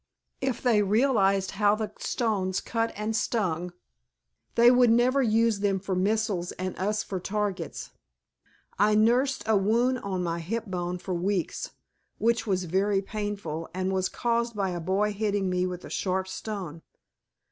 If they realized how the stones cut and sting, they would never use them for missiles and us for targets. I nursed a wound on my hip bone for weeks, which was very painful and was caused by a boy hitting me with a sharp stone.